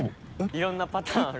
いろんなパターンある。